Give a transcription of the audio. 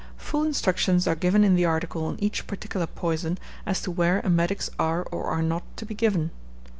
Full instructions are given in the article on each particular poison as to where emetics are or are not to be given.